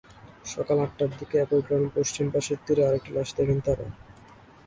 সকাল আটটার দিকে একই গ্রামের পশ্চিম পাশের তীরে আরেকটি লাশ দেখেন তাঁরা।